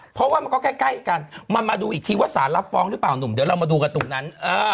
เพราะว่ามันก็ใกล้กันมันมาดูอีกทีว่าสารรับฟ้องหรือเปล่าหนุ่มเดี๋ยวเรามาดูกันตรงนั้น